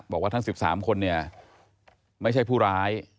บอกว่าทั้ง๑๓คนเนี่ยไม่ใช่ผู้ร้าย